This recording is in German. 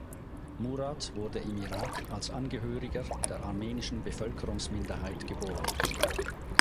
Murat wurde im Irak als Angehöriger der armenischen Bevölkerungsminderheit geboren.